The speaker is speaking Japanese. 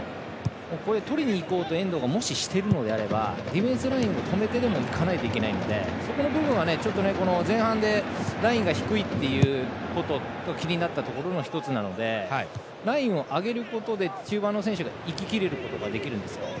とりにいこうと遠藤が、もししているならディフェンスラインを止めてでもいけないといけないのでそこの部分は前半でラインが低いところが気になったところの１つなのでラインを上げると中盤の選手が行ききることができるんですよ。